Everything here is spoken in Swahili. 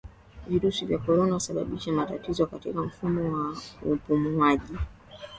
Virusi vya korona husababisha matatizo katika Mfumo wa Upumuaji